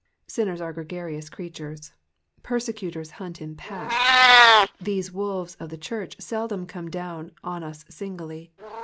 '*'^ Sinners are gregarious creatures. Persecutors hunt in packs. These wolves of the church seldom come down upon us singly.